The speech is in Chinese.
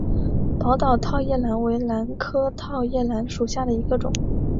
宝岛套叶兰为兰科套叶兰属下的一个种。